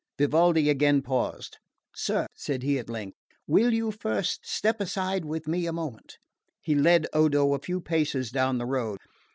Vivaldi again paused. "Sir," he said at length, "will you first step aside with me a moment?" he led Odo a few paces down the road.